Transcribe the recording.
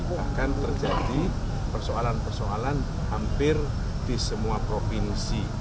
bahkan terjadi persoalan persoalan hampir di semua provinsi